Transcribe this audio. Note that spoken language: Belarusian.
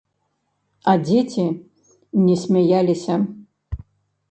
А дзеці не смяяліся.